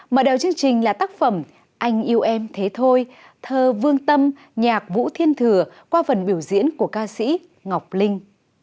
mở đầu chương trình là tác phẩm anh yêu em thế thôi thơ vương tâm nhạc vũ thiên thừa qua phần biểu diễn của ca sĩ ngọc linh